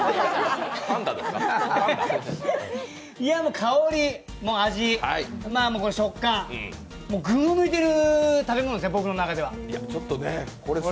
香り、味、食感、群を抜いている食べ物ですね、僕の中では。